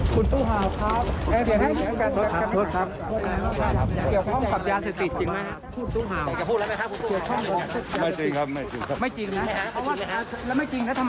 ขอโทษครับขอโทษครับ